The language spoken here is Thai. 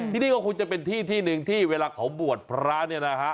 ที่นี่ก็คงจะเป็นที่ที่หนึ่งที่เวลาเขาบวชพระเนี่ยนะฮะ